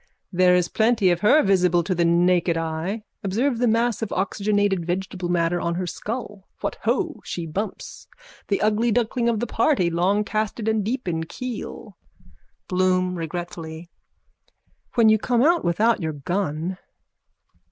There is plenty of her visible to the naked eye. Observe the mass of oxygenated vegetable matter on her skull. What ho, she bumps! The ugly duckling of the party, longcasted and deep in keel. BLOOM: (Regretfully.) When you come out without your gun.